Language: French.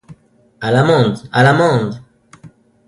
À l’amende! à l’amende !